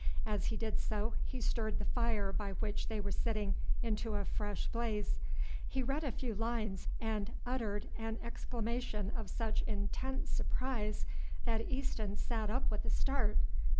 As he did so he stirred the fire by which they were sitting into a fresh blaze. He read a few lines and uttered an exclamation of such intense surprise that Easton sat up with a start.